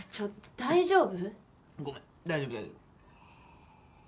大丈夫大丈夫。